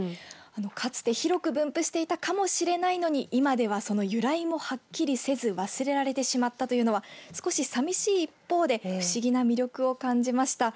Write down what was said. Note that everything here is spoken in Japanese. かつて広く分布していたかもしれないのに今ではその由来もはっきりせず忘れられてしまったというのは少し寂しい一方で不思議な魅力を感じました。